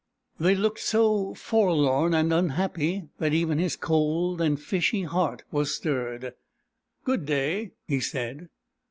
They looked so forlorn and unhappy that even his cold and fishy heart was stirred. " Good day," he said.